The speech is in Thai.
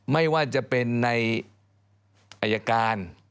ไม่ว่าจะเป็นในอายการ